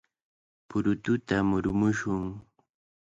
¡Purututa murumushun!